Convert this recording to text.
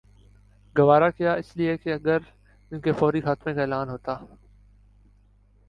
گوارا کیا اس لیے کہ اگر ان کے فوری خاتمے کا اعلان ہوتا